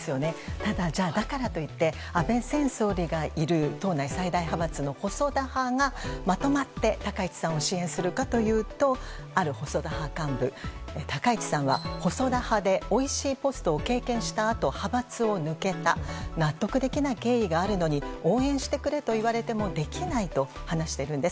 ただ、だからといって安倍前総理がいる党内最大派閥の細田派がまとまって高市さんを支援するかというとある細田派幹部高市さんは細田派でおいしいポストを経験したあと派閥を抜けた納得できない経緯があるのに応援してくれと言われてもできないと話しているんです。